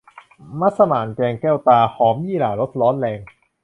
มัสหมั่นแกงแก้วตา หอมยี่หร่ารสร้อนแรง